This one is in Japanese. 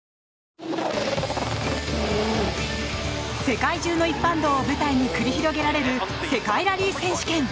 世界中の一般道を舞台に繰り広げられる世界ラリー選手権。